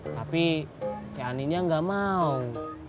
tapi teh aninya gak mau